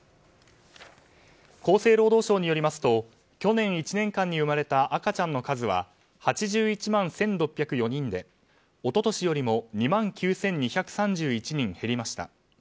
厚生労働省によりますと去年１年間に生まれた赤ちゃんの数は８１万１６０４人で一昨年よりも２万９２３１人減りました。